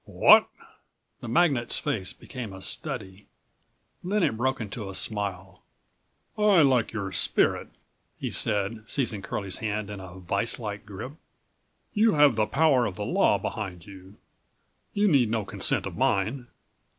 "What?" The magnate's face became a study, then it broke into a smile. "I like your spirit," he said seizing Curlie's hand in a viselike grip. "You have the power of the law behind you; you need no consent of mine.